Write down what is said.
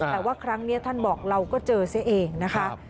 แต่ว่าครั้งนี้ท่านบอกเราก็เจอซะเองนะคะ